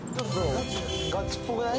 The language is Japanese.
ガチっぽくない？